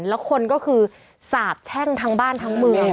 แล้วคนก็คือสาบแช่งทั้งบ้านทั้งเมือง